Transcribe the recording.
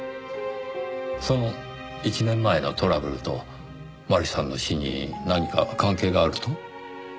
その１年前のトラブルと麻里さんの死に何か関係があると？